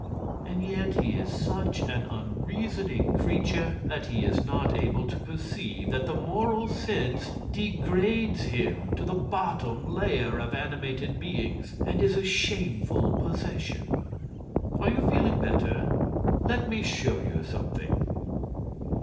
And yet he is such an unreasoning creature that he is not able to perceive that the Moral Sense degrades him to the bottom layer of animated beings and is a shameful possession. Are you feeling better? Let me show you something."